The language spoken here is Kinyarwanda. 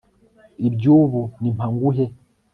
iby'ubu ni mpa nguhe